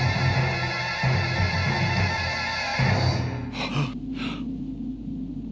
はっ！